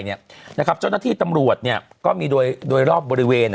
เจ้าหน้าที่ตำรวจก็มีโดยรอบบริเวณ